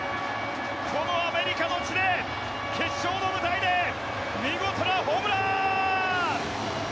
このアメリカの地で決勝の舞台で見事なホームラン！